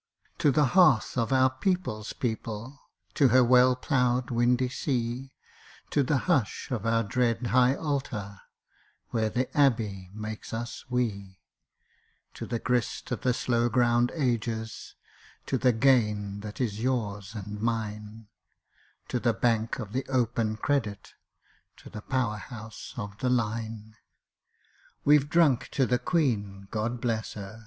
To the hearth of our people's people To her well ploughed windy sea, To the hush of our dread high altar Where The Abbey makes us We; To the grist of the slow ground ages, To the gain that is yours and mine To the Bank of the Open Credit, To the Power house of the Line! We've drunk to the Queen God bless her!